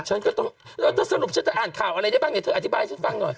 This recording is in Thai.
ฉันก็ต้องสรุปจะอ่านข่าวอะไรได้บ้างอย่างนี้เธออธิบายให้ฉันฟังหน่อย